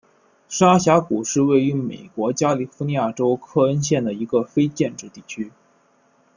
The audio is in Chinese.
沙峡谷是位于美国加利福尼亚州克恩县的一个非建制地区。